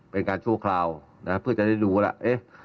เป็นการชั่วคราวเพื่อจะได้รู้แล้ว